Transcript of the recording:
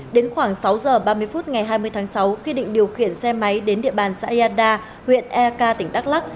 đến khoảng sáu giờ ba mươi phút ngày hai mươi tháng sáu khi định điều khiển xe máy đến địa bàn xã yada huyện eka tỉnh đắk lắc